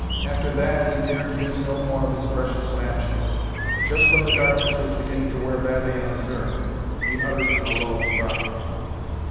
After that he dared use no more of his precious matches. But just when the darkness was beginning to wear badly on his nerves, he uttered a low cry.